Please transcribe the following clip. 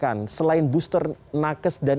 kan selain booster nakes dan